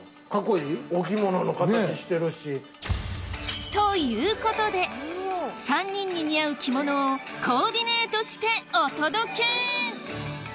お着物の形してるし。ということで３人に似合う着物をコーディネートしてお届け！